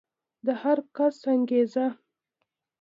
د هر کس انګېزه